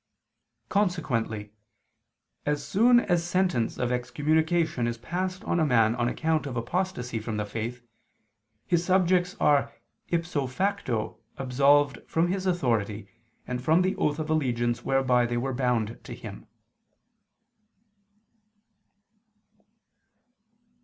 Consequently, as soon as sentence of excommunication is passed on a man on account of apostasy from the faith, his subjects are "ipso facto" absolved from his authority and from the oath of allegiance whereby they were bound to him.